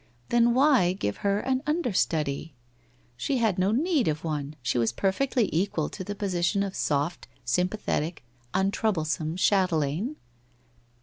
Then why give her an understudy ? She had no need of one, she was perfectly equal to the position of soft, sympathetic, untroublesome chatelaine.